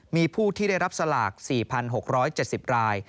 มีผู้ที่ได้รับสลาก๔๖๗๐ราย